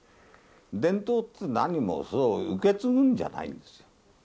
伝統って、何もそう、受け継ぐんじゃないんですよ。